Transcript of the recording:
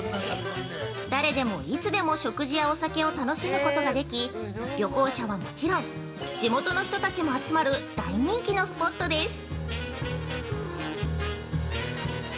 誰でもいつでも食事やお酒を楽しむことができ、旅行者はもちろん、地元の人たちも集まる大人気のスポットです。